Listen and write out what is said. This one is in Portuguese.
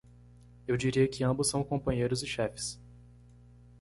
Eu diria que ambos são companheiros e chefes.